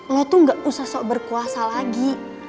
lo tuh gak usah sok berkuasa lagi